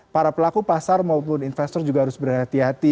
para pelaku pasar maupun investor juga harus berhati hati